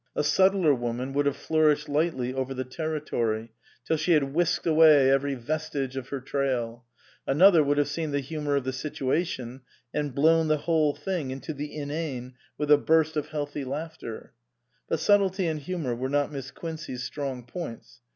A subtler woman would have flourished lightly over the territory, till she had whisked away every vestige of her trail ; another would have seen the humour of the situation and blown the whole thing into the inane with a burst of healthy laughter ; but subtlety and humour were not Miss Quincey's strong points.